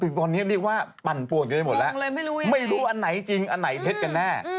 ตอนนี้เรียกว่าปั่นป่วนกันไปหมดแล้วไม่รู้อันไหนจริงอันไหนเท็จกันแน่